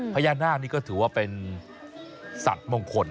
พญานาคนี่ก็ถือว่าเป็นสัตว์มงคล